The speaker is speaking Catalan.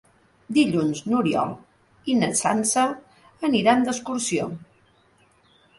Dilluns n'Oriol i na Sança aniran d'excursió.